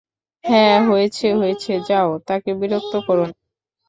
হ্যাঁঁ, হয়েছে, হয়েছে, যাও, তাকে বিরক্ত করো না।